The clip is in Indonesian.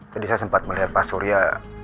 tadi saya sempat melihat pak surya